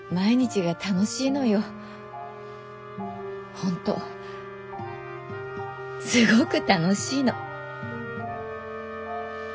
本当すごく楽しいの。